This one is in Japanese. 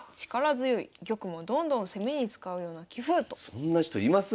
そんな人います？